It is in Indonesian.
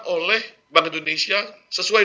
oleh bank indonesia sesuai